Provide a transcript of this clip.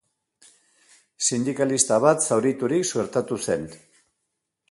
Sindikalista bat zauriturik suertatu zen.